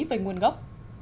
về nguồn gốc